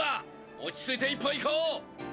落ち着いて１本いこう！